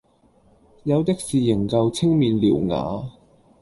有的是仍舊青面獠牙，